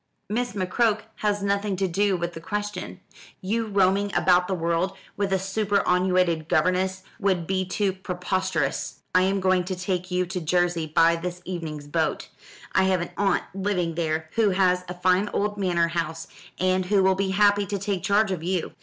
"Miss McCroke has nothing to do with the question. You roaming about the world with a superannuated governess would be too preposterous. I am going to take you to Jersey by this evening's boat. I have an aunt living there who has a fine old manor house, and who will be happy to take charge of you.